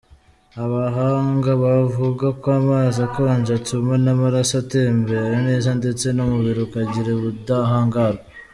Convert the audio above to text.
Abahanga bavuga ko amazi akonje atuma amaraso atembera neza ndetse n’umubiri ukagira ubudahangarwa.